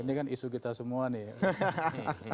ini kan isu kita semua nih